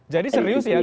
jadi serius ya gus soi